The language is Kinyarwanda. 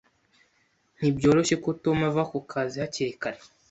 Ntibyoroshye ko Tom ava ku kazi hakiri kare.